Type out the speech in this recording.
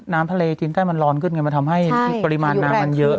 น้ำทะเลจีนใต้มันร้อนขึ้นไงมันทำให้ปริมาณน้ำมันเยอะ